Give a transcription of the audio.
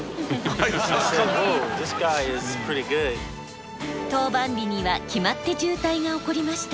登板日には決まって渋滞が起こりました。